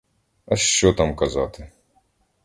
А що там казати!